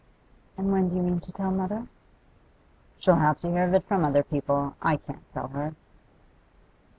'And when do you mean to tell mother?' 'She'll have to hear of it from other people. I can't tell her.